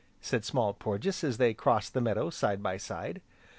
said Small Porges as they crossed the meadow, side by side.